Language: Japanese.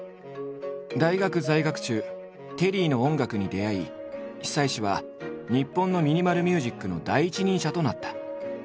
大学在学中テリーの音楽に出会い久石は日本のミニマル・ミュージックの第一人者となった。